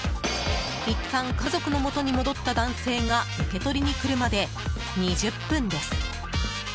いったん家族のもとに戻った男性が受け取りに来るまで、２０分です。